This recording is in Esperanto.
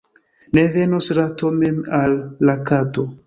Ne venos rato mem al la kato.